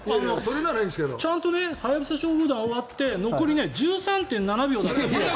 ちゃんと「ハヤブサ消防団」終わって残り１３．７秒だったんです。